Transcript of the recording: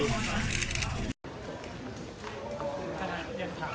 สวัสดีครับ